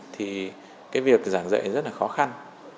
thì cái việc giảng dạy rất là khó khăn